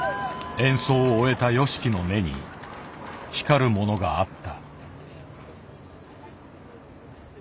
演奏を終えたＹＯＳＨＩＫＩの目に光るものがあった。